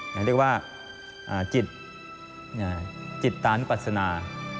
เรียกว่าจิตจิตตานุปัศนา